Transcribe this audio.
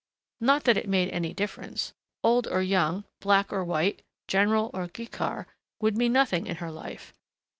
Not that it made any difference. Old or young, black or white, general or ghikar, would mean nothing in her life.